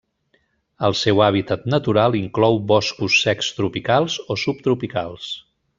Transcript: El seu hàbitat natural inclou boscos secs tropicals o subtropicals.